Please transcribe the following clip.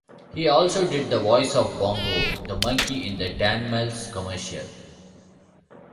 He also did the voice of Bongo the Monkey in the Danimals commercials.